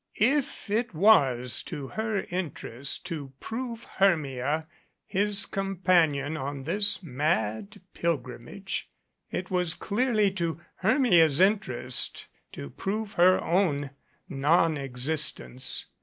If it was to her interest to prove Hermia his companion on this mad pilgrimage, it was clearly to Hermia's interest to prove her own non existence.